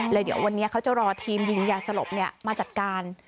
เดี๋ยววันนี้เขาจะรอทีมยิงยาสลบมาจัดการ